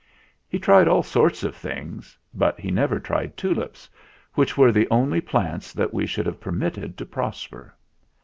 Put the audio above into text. He tried all sorts of things, but he never tried tulips, which were the only plants that we should have permitted to prosper.